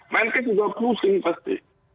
menkes juga pusing pasti